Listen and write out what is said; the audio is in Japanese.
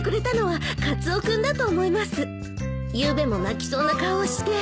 ゆうべも泣きそうな顔をして。